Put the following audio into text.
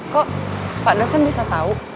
kok pak dosen bisa tahu